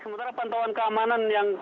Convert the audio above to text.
sementara pantauan keamanan yang